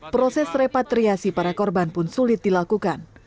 proses repatriasi para korban pun sulit dilakukan